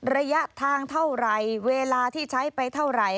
ระยะทางเท่าไหร่เวลาที่ใช้ไปเท่าไหร่